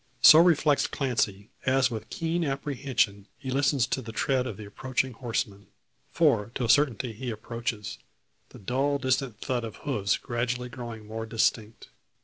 So reflects Clancy, as with keen apprehension he listens to the tread of the approaching horseman. For to a certainty he approaches, the dull distant thud of hooves gradually growing more distinct.